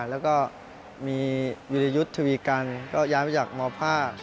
แล้วก็มีวิรยุทธ์ทวีกันก็ย้ายมาจากมภาค